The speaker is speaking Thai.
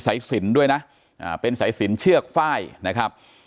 สายสินด้วยนะเป็นสายสินเชือกฝ้ายนะครับ